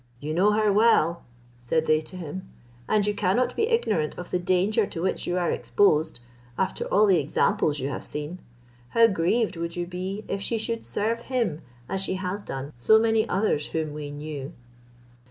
"You know her well," said they to him, "and you cannot be ignorant of the danger to which you are exposed, after all the examples you have seen. How grieved would you be if she should serve him as she has done so many others whom we knew."